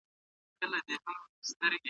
د امکاناتو نشتوالی زموږ اجرأت ناقص کوي.